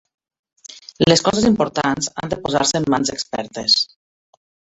Les coses importants han de posar-se en mans expertes.